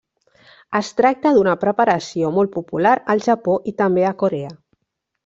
Es tracta d'una preparació molt popular al Japó i també a Corea.